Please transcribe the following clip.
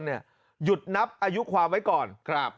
หยุดนับอายุความไว้ก่อน